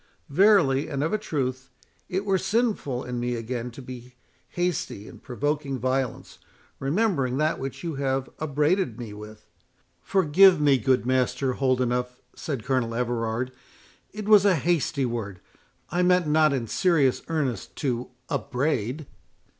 Verily, and of a truth, it were sinful in me again to be hasty in provoking violence, remembering that which you have upbraided me with"— "Forgive me, good Master Holdenough," said Colonel Everard, "it was a hasty word; I meant not in serious earnest to upbraid."